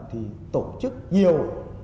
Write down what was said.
thì tổ chức nhiều